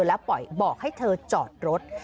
แล้วปล่อยบอกให้เธอจอดรถ